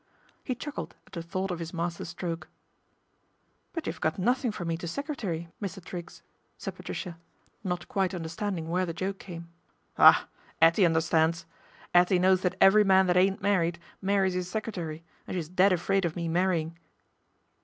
He chuckled at the thought of his master stroke. " But you've got nothing for me to secretary, Mr. Triggs," said Patricia, not quite understanding where the joke came. " Ah ! 'Ettie understands. 'Ettie knows that every man that ain't married marries 'is secretary, and she's dead afraid of me marrying."